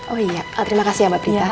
oh iya terima kasih ya mbak prita